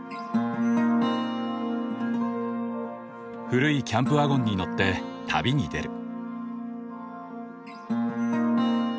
古いキャンプワゴンに乗って旅に出る。